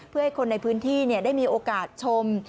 เพื่อให้คนในพื้นที่ได้มีโอกาสชม